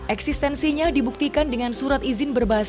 eksistensinya dibuktikan dengan surat izin berbasis